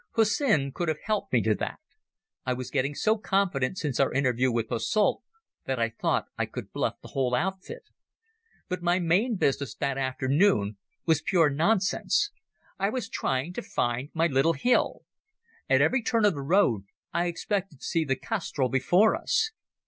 Hussin could have helped me to that. I was getting so confident since our interview with Posselt that I thought I could bluff the whole outfit. But my main business that afternoon was pure nonsense. I was trying to find my little hill. At every turn of the road I expected to see the castrol before us.